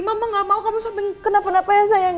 mama gak mau kamu sampai kenapa napa ya sayang